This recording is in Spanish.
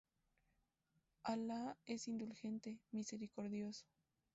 Alá es indulgente, misericordioso.